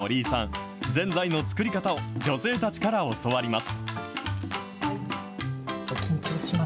森井さん、ぜんざいの作り方を、女性たちから教わります。